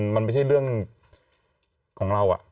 มันไม่ใช่เรื่องของเรา